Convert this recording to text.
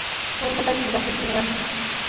大阪市東住吉区